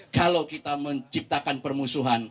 kalau kita menciptakan permusuhan